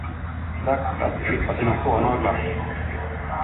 Dags att klippa dina tånaglar!